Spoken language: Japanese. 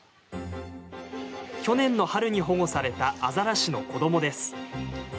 去年の春に保護されたアザラシの子どもです。